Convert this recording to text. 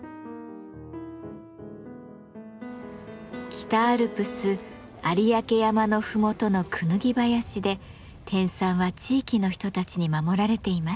北アルプス有明山の麓のクヌギ林で天蚕は地域の人たちに守られています。